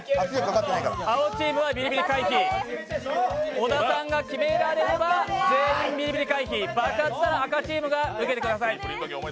小田さんが決められれば全員ビリビリ回避、爆発したら赤チームが受けてください。